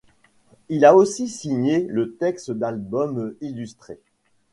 Il a aussi signé le texte d'albums illustrés.